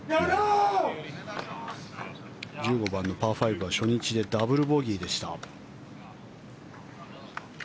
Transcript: １５番のパー５は初日でダブルボギーでした。